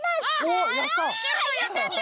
おっやった！